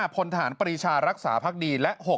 ๕พนฐานปริชารักษาภักดี